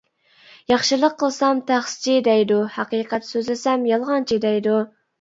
ياخشىلىق قىلسام تەخسىچى دەيدۇ، ھەقىقەت سۆزلىسەم يالغانچى دەيدۇ.